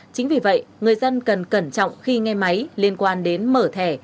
chính vì vậy người dân cần cẩn trọng khi nghe máy liên quan đến mở thẻ